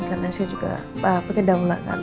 karena saya juga pake daulah kan